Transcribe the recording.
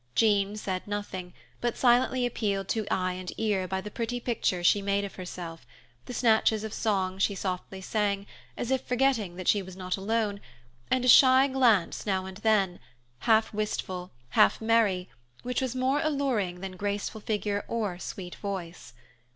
Jean said nothing, but silently appealed to eye and ear by the pretty picture she made of herself, the snatches of song she softly sang, as if forgetting that she was not alone, and a shy glance now and then, half wistful, half merry, which was more alluring than graceful figure or sweet voice.